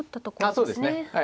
そうですねはい。